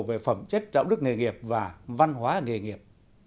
về phẩm chất đạo đức nghề nghiệp và văn hóa nghề nghiệp